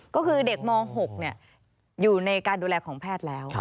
ก็คือเด็กม๖อยู่ในการดูแลของแพทย์แล้ว